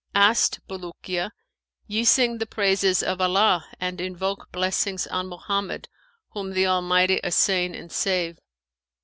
[FN#515]' Asked Bulukiya, 'Ye sing the praises of Allah and invoke blessings on Mohammed, whom the Almighty assain and save!